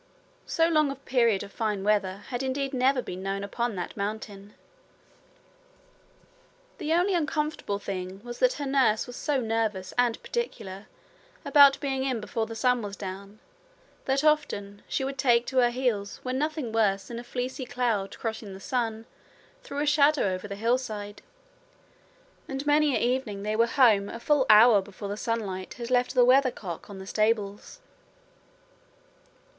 So long a period of fine weather had indeed never been known upon that mountain. The only uncomfortable thing was that her nurse was so nervous and particular about being in before the sun was down that often she would take to her heels when nothing worse than a fleecy cloud crossing the sun threw a shadow on the hillside; and many an evening they were home a full hour before the sunlight had left the weather cock on the stables.